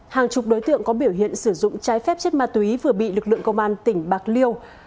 hàng chục đối tượng có biểu hiện sử dụng trái phép chất ma túy vừa bị lực lượng công an tỉnh bạc liêu